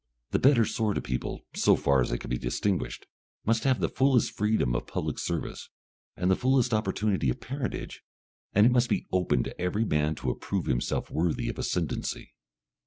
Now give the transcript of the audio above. The better sort of people, so far as they can be distinguished, must have the fullest freedom of public service, and the fullest opportunity of parentage. And it must be open to every man to approve himself worthy of ascendency.